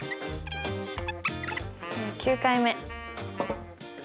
９回目。